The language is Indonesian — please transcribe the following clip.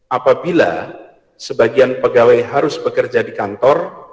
apabila sebagian pegawai harus bekerja di kantor